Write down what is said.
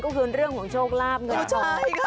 ก็คือเรื่องของโชคลาบเงินทอง